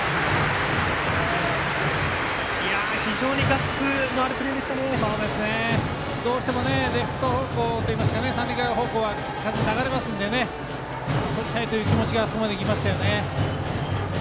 非常にガッツのあるどうしてもレフト方向といいますか三塁側方向は風で流れますのでとりたいという気持ちがあそこまでいきましたよね。